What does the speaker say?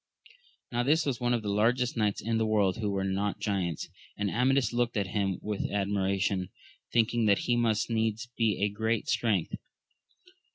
Now this was one of the largest knights in the world who were not giants, and Amadis looked at him with admiration, thinking that he must needs be of great st^'ength.